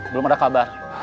belum ada kabar